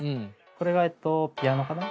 これがえっとピアノかな？